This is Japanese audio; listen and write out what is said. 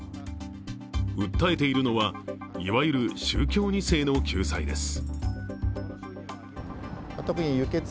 訴えているのは、いわゆる宗教２世の救済です。